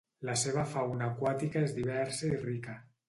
La seva fauna aquàtica és diversa i rica.